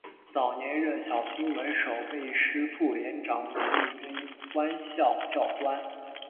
早年任小金门守备师副连长与陆军官校教官。